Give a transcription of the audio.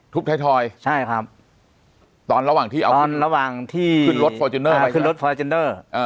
ทบไทยทอยใช่ครับตอนระหว่างที่ขึ้นรถฟอร์เจนเนอร์